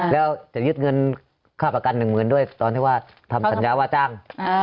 แล้วจะยึดเงินค่าประกันหนึ่งหมื่นด้วยตอนที่ว่าทำสัญญาว่าจ้าง